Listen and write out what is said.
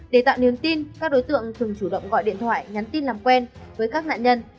để tạo niềm tin các đối tượng thường chủ động gọi điện thoại nhắn tin làm quen với các nạn nhân